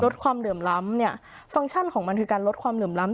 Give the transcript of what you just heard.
ความเหลื่อมล้ำเนี่ยฟังก์ชั่นของมันคือการลดความเหลื่อมล้ำ